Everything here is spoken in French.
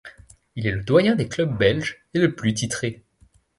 Il est le doyen des clubs belges et le plus titré.